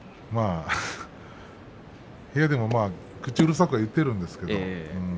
部屋でも、口うるさくは言ってるんですけどね。